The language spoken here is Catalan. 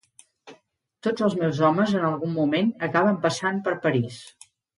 Tots els meus homes en algun moment acaben passant per París.